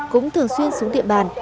cũng thường xuyên xuống địa bàn